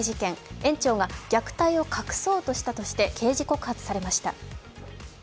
園長が虐待を隠そうとしたとして刑事告発されました。